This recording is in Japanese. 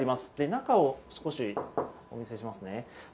中を少しお見せしますね。